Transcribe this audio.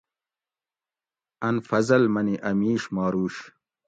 ان فضل منی اۤ میش ماروش